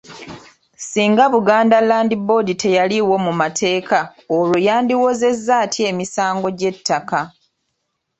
Singa Buganda Land Board teyaliiwo mu mateeka olwo yandiwozezza etya emisango gy'ettaka?